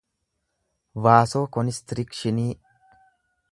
vaasookonistirikshinii